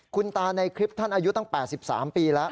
คุณตาในคลิปท่านอายุตั้ง๘๓ปีแล้ว